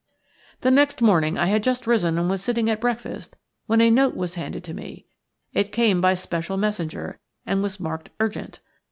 The next morning I had just risen and was sitting at breakfast when a note was handed to me. It came by special messenger, and was marked "Urgent".